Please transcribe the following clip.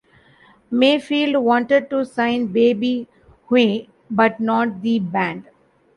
Mayfield wanted to sign Baby Huey, but not the band.